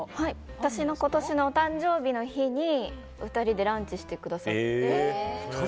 私の今年のお誕生日に２人でランチしてくださって。